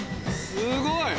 すごい！